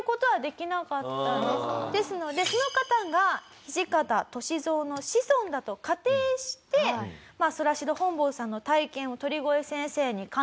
ですのでその方が土方歳三の子孫だと仮定してソラシド本坊さんの体験を鳥越先生に鑑定して頂きます。